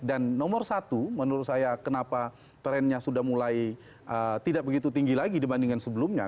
dan nomor satu menurut saya kenapa trendnya sudah mulai tidak begitu tinggi lagi dibandingkan sebelumnya